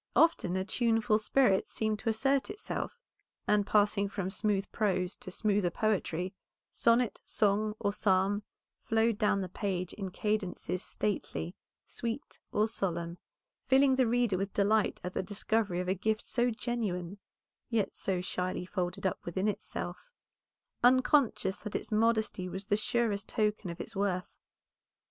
Often a tuneful spirit seemed to assert itself, and passing from smooth prose to smoother poetry, sonnet, song, or psalm, flowed down the page in cadences stately, sweet, or solemn, filling the reader with delight at the discovery of a gift so genuine, yet so shyly folded up within itself, unconscious that its modesty was the surest token of its worth.